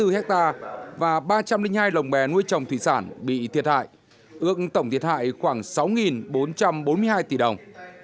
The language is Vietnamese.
hai mươi hai bảy trăm bốn mươi bốn hectare và ba trăm linh hai lồng bè nuôi trồng thủy sản bị thiệt hại ước tổng thiệt hại khoảng sáu bốn trăm bốn mươi hai tỷ đồng